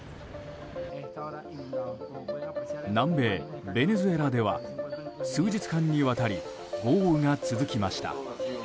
南米ベネズエラでは数日間にわたり豪雨が続きました。